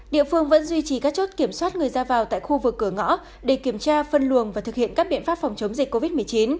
địa phương vẫn duy trì các chốt kiểm soát người ra vào tại khu vực cửa ngõ để kiểm tra phân luồng và thực hiện các biện pháp phòng chống dịch covid một mươi chín